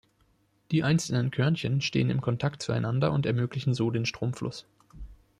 Die einzelnen Körnchen stehen in Kontakt zueinander und ermöglichen so den Stromfluss.